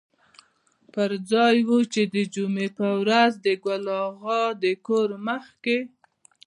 پر ځای و چې د جمعې په ورځ د ګل اغا د کور مخکې.